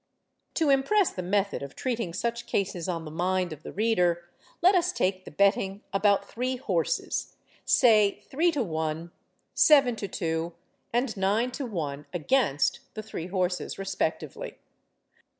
To impress the method of treating such cases on the mind of the reader, let us take the betting about three horses—say 3 to 1, 7 to 2, and 9 to 1 against the three horses respectively.